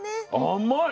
甘い。